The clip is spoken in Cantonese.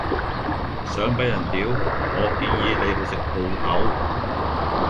想俾人屌，我建議你去食澳牛